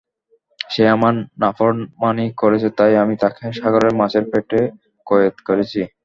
সে আমার নাফরমানী করেছে তাই আমি তাকে সাগরের মাছের পেটে কয়েদ করেছি।